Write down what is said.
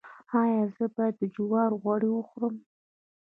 ایا زه باید د جوارو غوړي وخورم؟